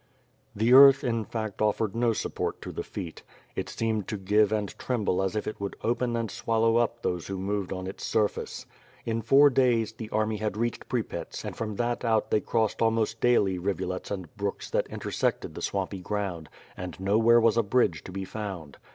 The earth, in fact, offered no support to the feet. It seemed to give and tremble as if it would open and swallow up those who moved on '. surface. In four da^ s, the army had reached Pripets and from that out they crossed almost daily rivulets and brooks that intersected the swampy ground, and nowhere was a bridge to be found.